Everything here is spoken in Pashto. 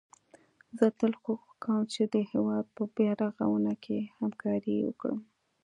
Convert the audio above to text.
زه تل کوښښ کوم چي د هيواد په بيا رغونه کي همکاري وکړم